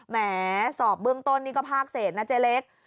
แหมสอบเบื้องต้นนี่ก็ภาคเศษนะเจ๊เล็ก